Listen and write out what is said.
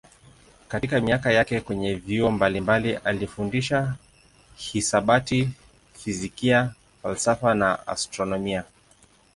Katika miaka yake kwenye vyuo mbalimbali alifundisha hisabati, fizikia, falsafa na astronomia.